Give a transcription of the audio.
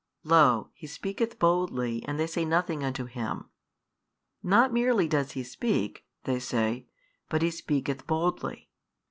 Lo, He speaketh boldly and they say nothing unto Him. Not merely does He speak, they say, but He speaketh boldly.